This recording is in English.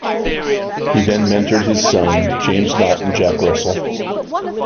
He then mentored his son James Knott and Jack Russell.